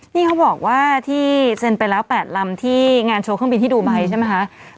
นี่เขาบอกว่าที่เซ็นไปแล้ว๘ลำที่งานโชว์เครื่องบินที่ดูไบใช่ไหมคะ